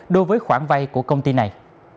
đối với khoảng vay của công ty này